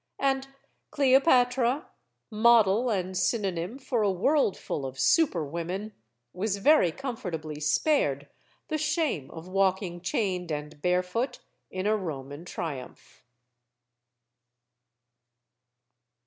And Cleopatra model and synonym for a worldful of super women was very comfortably spared the shame of walking chained and barefoot in a Roman Triumph.